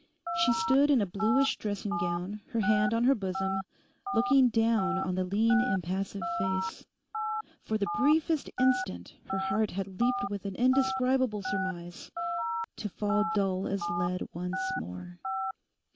She stood in a bluish dressing gown, her hand on her bosom, looking down on the lean impassive face. For the briefest instant her heart had leapt with an indescribable surmise; to fall dull as lead once more.